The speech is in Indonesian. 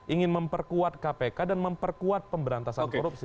ingin memperkuat kpk dan memperkuat pemberantasan korupsi